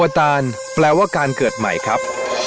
ตานแปลว่าการเกิดใหม่ครับ